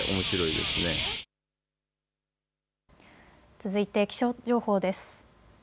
続いて気象情報です。